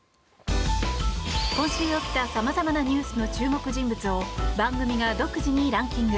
今週起きた様々なニュースの注目人物を番組が独自にランキング。